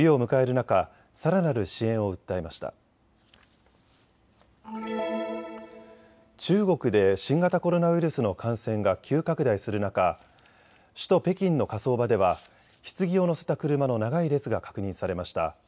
中国で新型コロナウイルスの感染が急拡大する中、首都・北京の火葬場ではひつぎを乗せた車の長い列が確認されました。